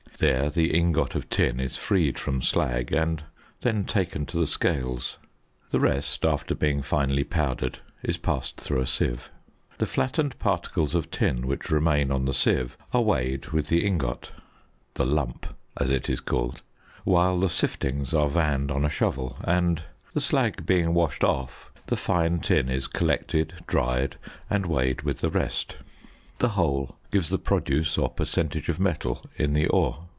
There the ingot of tin is freed from slag and then taken to the scales. The rest, after being finely powdered, is passed through a sieve. The flattened particles of tin which remain on the sieve are weighed with the ingot (the lump, as it is called); whilst the siftings are vanned on a shovel, and (the slag being washed off) the fine tin is collected, dried, and weighed with the rest: the whole gives the produce or percentage of metal in the ore.